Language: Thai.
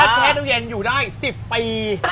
แช่ตู้เย็นอยู่ได้๑๐ปี